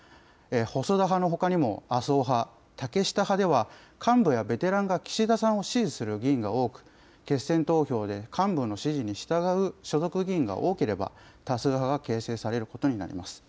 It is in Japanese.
細田派のほかにも麻生派、竹下派では、幹部やベテランが岸田さんを支持する議員が多く、決選投票で幹部の指示に従う所属議員が多ければ、多数派が形成されることになります。